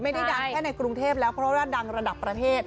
ไม่ได้ดังแค่ในกรุงเทพแล้วเพราะว่าดังระดับประเทศ